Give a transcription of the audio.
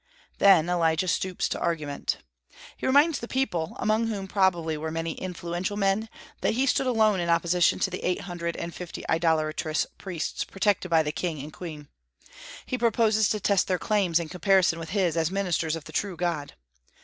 Then Elijah stoops to argument. He reminds the people, among whom probably were many influential men, that he stood alone in opposition to eight hundred and fifty idolatrous priests protected by the king and queen. He proposes to test their claims in comparison with his as ministers of the true God.